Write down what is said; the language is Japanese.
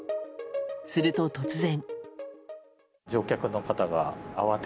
すると突然。